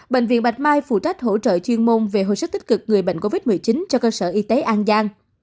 bệnh viện bạch mai phụ trách hỗ trợ chuyên môn về hồi sức tích cực người bệnh covid một mươi chín cho cơ sở y tế an giang